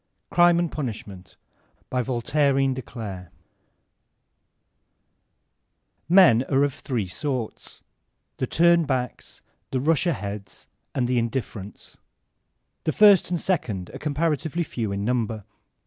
Crime and Punishment MEN are of three sorts : the turn backs, the rush aheads, and the indifferents. The first and second are comparatively few in number.